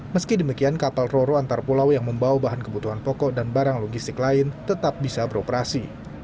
meski demikian kapal roro antar pulau yang membawa bahan kebutuhan pokok dan barang logistik lain tetap bisa beroperasi